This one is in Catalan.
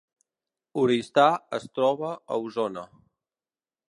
Oristà es troba a Osona